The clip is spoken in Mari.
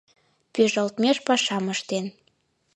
Пӱжалтмеш пашам ыштен.